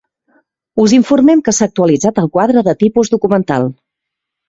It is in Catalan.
Us informem que s'ha actualitzat el Quadre de Tipus Documental.